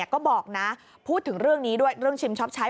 ก็บอกนะพูดถึงเรื่องนี้ด้วยเรื่องชิมช็อปใช้